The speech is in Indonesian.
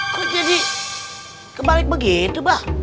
kok jadi kebalik begitu pak